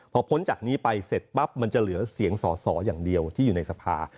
พอพ้นจากนี้ไปเสร็จปั๊บมันจะเหลือเสียงสอสออย่างเดียวที่อยู่ในสภา